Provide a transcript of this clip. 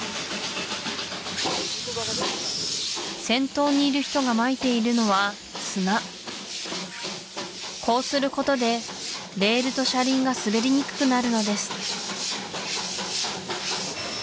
先頭にいる人がまいているのは砂こうすることでレールと車輪が滑りにくくなるのです